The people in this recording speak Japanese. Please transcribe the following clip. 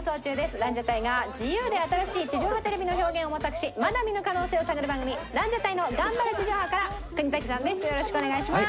ランジャタイが自由で新しい地上波テレビの表現を模索しまだ見ぬ可能性を探る番組『ランジャタイのがんばれ地上波！』から国崎さんです。